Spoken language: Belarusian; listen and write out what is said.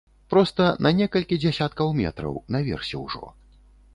Проста на некалькі дзясяткаў метраў, наверсе ўжо.